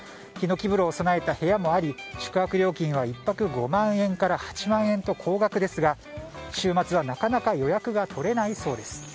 ヒノキ風呂を備えた部屋もあり宿泊料金は１泊５万円から８万円と高額ですが週末はなかなか予約が取れないそうです。